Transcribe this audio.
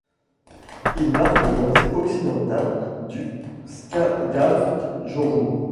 Il marque l'entrée occidentale du Skagafjörður.